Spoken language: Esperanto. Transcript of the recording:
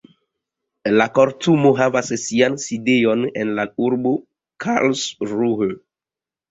La kortumo havas sian sidejon en la urbo Karlsruhe.